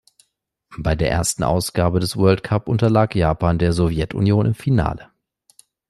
Bei der ersten Ausgabe des World Cup unterlag Japan der Sowjetunion im Finale.